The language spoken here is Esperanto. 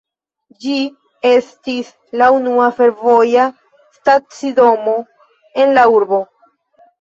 Ĝi estis la unua fervoja stacidomo en la urbo.